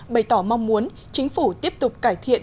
bày tỏ mong muốn chính phủ tiếp tục cải thiện